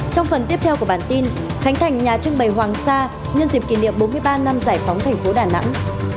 trong phần tiếp theo của bản tin khánh thành nhà trưng bày hoàng sa nhân dịp kỷ niệm bốn mươi ba năm giải phóng thành phố đà nẵng